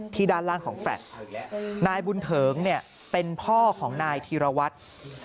ด้านล่างของแฟลต์นายบุญเถิงเนี่ยเป็นพ่อของนายธีรวัตร